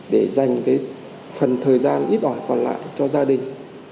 để dành phần thời gian ít ỏi còn lại cho gia đình